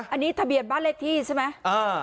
อันนี้ทะเบียนบ้านเลขที่ใช่ไหม